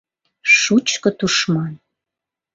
Шучко тушман.